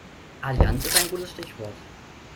Allianz ist ein gutes Stichwort.